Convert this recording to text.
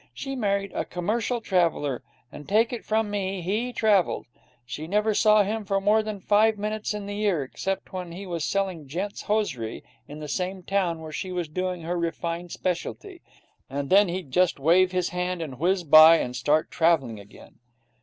She married a commercial traveller, and take it from me he travelled. She never saw him for more than five minutes in the year, except when he was selling gent's hosiery in the same town where she was doing her refined speciality, and then he'd just wave his hand and whiz by, and start travelling again.